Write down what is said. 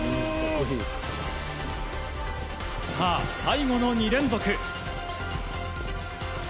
さあ、最後の２連続。